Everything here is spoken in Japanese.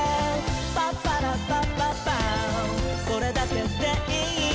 「パッパラッパッパッパーそれだけでいい」